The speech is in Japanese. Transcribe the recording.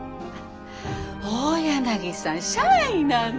大柳さん